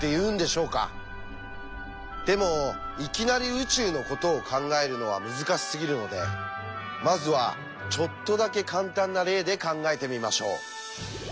でもいきなり宇宙のことを考えるのは難しすぎるのでまずはちょっとだけ簡単な例で考えてみましょう。